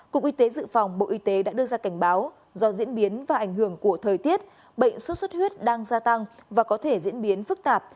cục y tế dự phòng bộ y tế đã đưa ra cảnh báo do diễn biến và ảnh hưởng của thời tiết bệnh sốt xuất huyết đang gia tăng và có thể diễn biến phức tạp